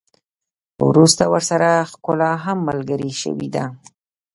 وروسته ورسره ښکلا هم ملګرې شوې ده.